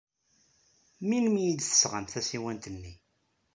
Melmi ay d-tesɣam tasiwant-nni?